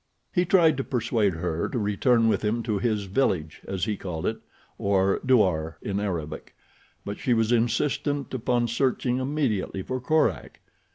He tried to persuade her to return with him to his "village" as he called it, or douar, in Arabic; but she was insistent upon searching immediately for Korak.